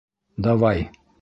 Давай!